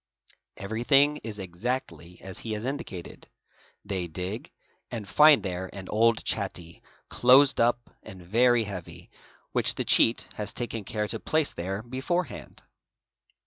Everything is exactly as he has indicated: they dig and find there an old chatty, closed up and very heavy, which the cheat has taken care to place there beforehand.